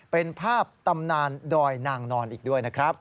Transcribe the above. เป็นภาพตำนานดอยนางนอนอีกด้วยนะครับ